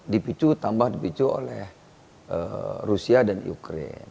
dipicu tambah dipicu oleh rusia dan ukraine